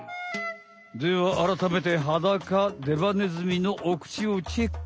ではあらためてハダカデバネズミのお口をチェック！